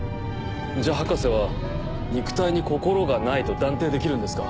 じゃ博士は肉体に心がないと断定できるんですか？